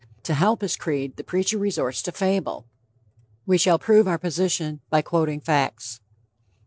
To help his creed, the preacher resorts to fable. We shall prove our position by quoting facts: I.